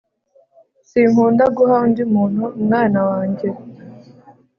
Sinkunda guha undi muntu umwana wanjye